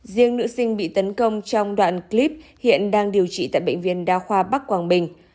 riêng nữ sinh bị tấn công trong đoạn clip hiện đang điều trị tại bệnh viện đa khoa bắc quảng bình